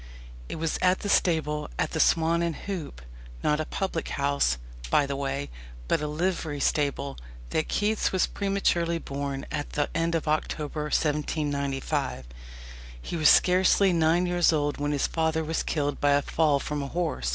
It was at the stable at the "Swan and Hoop" not a public house, by the way, but a livery stable that Keats was prematurely born at the end of October 1795. He was scarcely nine years old when his father was killed by a fall from a horse.